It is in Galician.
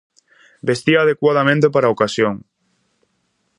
Vestía adecuadamente para a ocasión.